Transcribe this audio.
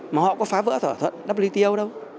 mà họ có phá vỡ thỏa thuận wto đâu